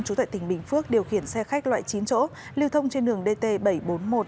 trú tại tỉnh bình phước điều khiển xe khách loại chín chỗ lưu thông trên đường dt bảy trăm bốn mươi một